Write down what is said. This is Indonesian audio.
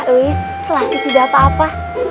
kak ruis selasih tidak apa apa